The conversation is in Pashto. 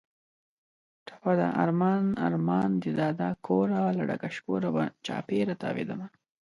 ټپه ده: ارمان ارمان دې دادا کوره، له ډکه شکوره به چاپېره تاوېدمه